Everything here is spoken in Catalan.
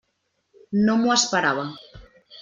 No m'ho esperava.